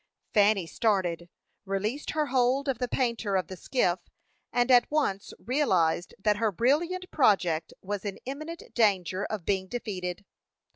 Fanny started, released her hold of the painter of the skiff, and at once realized that her brilliant project was in imminent danger of being defeated.